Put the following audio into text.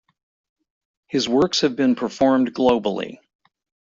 His works have been performed globally.